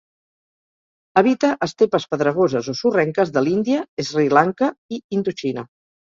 Habita estepes pedregoses o sorrenques de l'Índia, Sri Lanka i Indoxina.